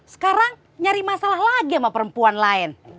sekarang nyari masalah lagi sama perempuan lain